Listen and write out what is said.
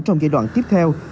trong giai đoạn tiếp theo